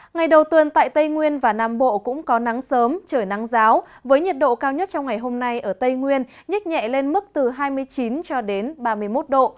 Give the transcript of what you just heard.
ngày đầu tuần tại tây nguyên và nam bộ cũng có nắng sớm trời nắng giáo với nhiệt độ cao nhất trong ngày hôm nay ở tây nguyên nhích nhẹ lên mức từ hai mươi chín cho đến ba mươi một độ